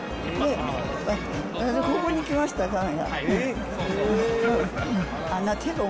ここに来ました、カメが。